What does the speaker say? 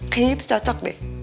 kayaknya itu cocok deh